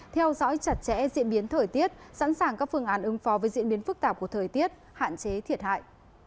theo dõi chặt chẽ diễn biến thời tiết sẵn sàng các phương án ứng phó với diễn biến phức tạp của thời tiết hạn chế thiệt hại